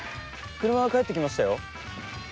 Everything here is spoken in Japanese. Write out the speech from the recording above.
車が帰ってきましたよ。